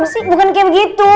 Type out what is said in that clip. ya sih bukan kayak begitu